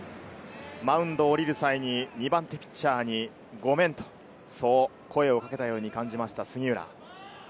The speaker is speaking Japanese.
マウンドを降りる際に２番手ピッチャーに「ごめん」とそう声をかけたように感じました杉浦。